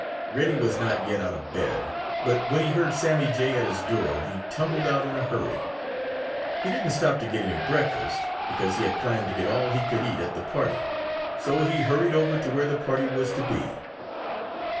Reddy was not yet out of bed, but when he heard Sammy Jay at his door, he tumbled out in a hurry. He didn't stop to get any breakfast, because he had planned to get all he could eat at the party. So he hurried over to where the party was to be.